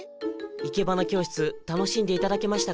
生け花教室楽しんで頂けましたか？